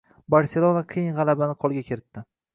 “Barselona” qiyin g‘alabani qo‘lga kiritdi